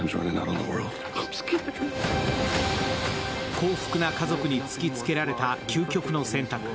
幸福な家族に突きつけられた究極の選択。